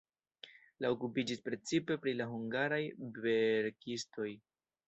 Li okupiĝis precipe pri la hungaraj verkistoj.